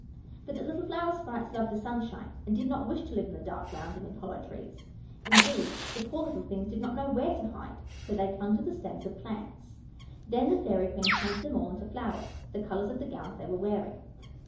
But the little Flower Sprites loved the sun shine, and did not wish to live in the dark ground and in hollow trees. Indeed, the poor little things did not know where to hide; so they clung to the stems of plants. Then the Fairy Queen changed them all into flowers, the colours of the gowns they were wearing.